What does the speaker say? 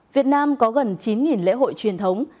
việt nam có gần chín lễ hội truyền thống